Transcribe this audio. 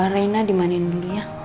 reina dimanin dulu ya